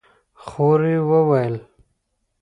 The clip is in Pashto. خور يې وويل: